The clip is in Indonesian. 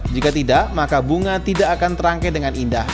jika tidak maka bunga tidak akan terangkai dengan indah